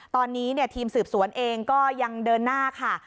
ตอนนี้ทีมสืบสวนเองก็ยังเดินหน้าค่ะ